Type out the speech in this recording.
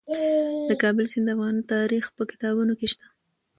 د کابل سیند د افغان تاریخ په کتابونو کې شته.